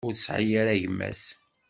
Ur tesɛi ara gma-s.